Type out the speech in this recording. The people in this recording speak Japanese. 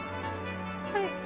はい。